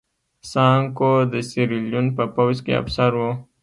سانکو د سیریلیون په پوځ کې افسر و.